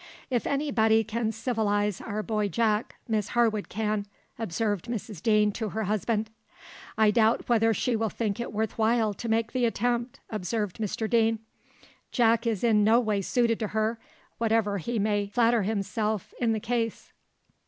"If any body can civilise our boy Jack, Miss Harwood can," observed Mrs Deane to her husband. "I doubt whether she will think it worth while to make the attempt," observed Mr Deane. "Jack is in no way suited to her, whatever he may flatter himself is the case.